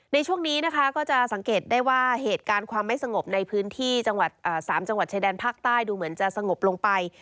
ในช่วงนี้นะคะก็จะสังเกตได้ว่าเหตุการณ์ความไม่สงบในพื้นที่จังหวัด๓จังหวัดชายแดนภาคใต้ดูเหมือนจะสงบลงไป